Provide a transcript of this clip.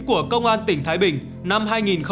của công an tỉnh thái bình